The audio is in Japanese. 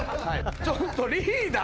ちょっとリーダー。